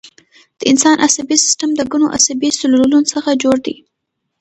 د انسان عصبي سیستم د ګڼو عصبي سلولونو څخه جوړ دی